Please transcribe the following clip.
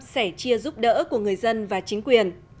sẻ chia giúp đỡ của người dân và chính quyền